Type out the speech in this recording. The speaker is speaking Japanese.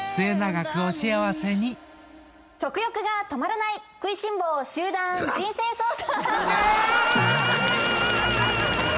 食欲が止まらない食いしん坊集団人生相談！